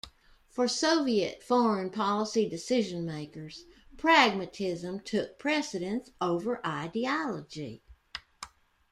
For Soviet foreign policy decision-makers, pragmatism took precedence over ideology.